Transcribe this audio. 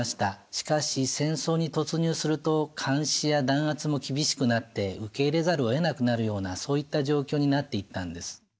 しかし戦争に突入すると監視や弾圧も厳しくなって受け入れざるをえなくなるようなそういった状況になっていったんです。